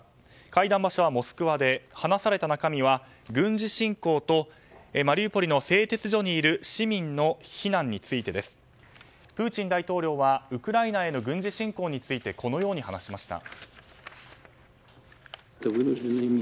会談場所はモスクワで話された中身は、軍事侵攻とマリウポリの製鉄所にいる市民の避難についてです。プーチン大統領はウクライナへの軍事侵攻についてこのように話しました。